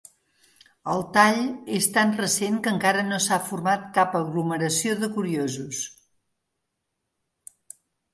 El tall és tan recent que encara no s'ha format cap aglomeració de curiosos.